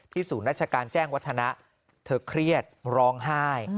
ศูนย์ราชการแจ้งวัฒนะเธอเครียดร้องไห้